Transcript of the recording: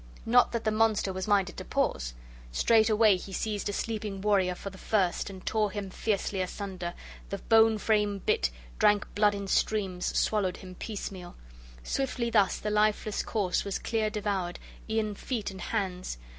Not that the monster was minded to pause! Straightway he seized a sleeping warrior for the first, and tore him fiercely asunder, the bone frame bit, drank blood in streams, swallowed him piecemeal: swiftly thus the lifeless corse was clear devoured, e'en feet and hands.